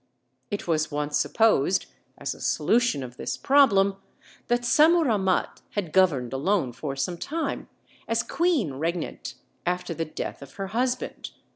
It was once supposed, as a solution of this problem, that Sammuramat had governed alone for some time, as queen regnant, after the death of her husband.